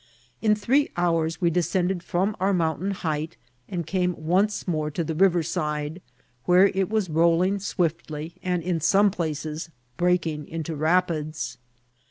In three hours we descended from our mountain height, and came once more to the river side, where it was rolling swiftly, and in some places breaking into rapids.